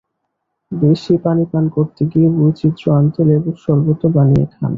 বেশি পানি পান করতে গিয়ে বৈচিত্র্য আনতে লেবুর শরবতও বানিয়ে খান।